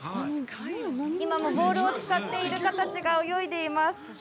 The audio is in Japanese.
今ボールを使ってイルカたちが泳いでいます。